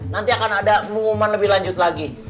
nanti akan ada pengumuman lebih lanjut lagi